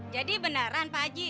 jadi beneran pak haji